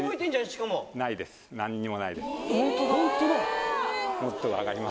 下も何にもないです。